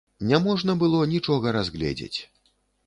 Не можна было нічога разгледзець.